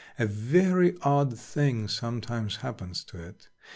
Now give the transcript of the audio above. A very odd thing sometimes happens to it.